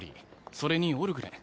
それにオルグレン